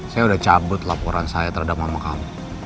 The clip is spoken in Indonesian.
saya sudah cabut laporan saya terhadap mama kamu